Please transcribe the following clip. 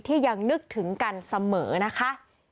ยังนึกถึงกันเสมอนะคะ